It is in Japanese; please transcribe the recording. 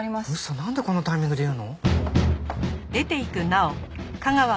なんでこのタイミングで言うの？